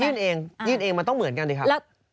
เองยื่นเองมันต้องเหมือนกันดิครับ